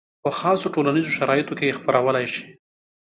په خاصو ټولنیزو شرایطو کې یې خپرولی شي.